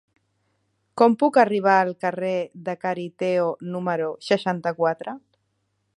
Com puc arribar al carrer de Cariteo número seixanta-quatre?